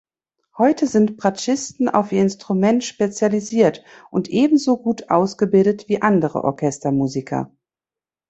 Heute sind Bratschisten auf ihr Instrument spezialisiert und ebenso gut ausgebildet wie andere Orchestermusiker.